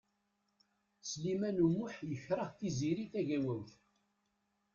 Sliman U Muḥ yekṛeh Tiziri Tagawawt.